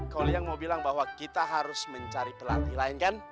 kalau yang mau bilang bahwa kita harus mencari pelatih lain kan